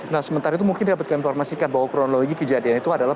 nah sementara itu mungkin dapatkan informasi bahwa kronologi kejadian itu adalah